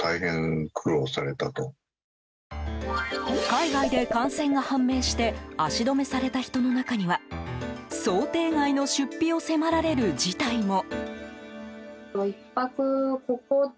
海外で感染が判明して足止めされた人の中には想定外の出費を迫られる事態も。